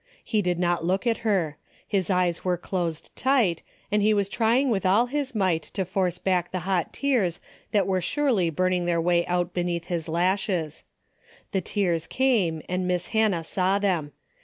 He did not look at her. His eyes were closed tight, and he was trying with all his 104 A DAILY BATE. 195 might to force back the hot tears that were surely burning their way out beneath his lashes. The tears came and Miss Hannah saw them.